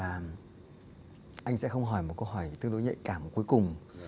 và anh sẽ không hỏi một câu hỏi tương đối nhạy cảm và cuối cùng